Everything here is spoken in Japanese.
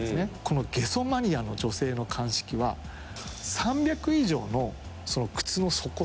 このゲソマニアの女性の鑑識は３００以上の靴の底ですね